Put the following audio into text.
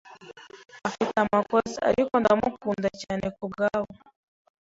Afite amakosa, ariko ndamukunda cyane kubwabo.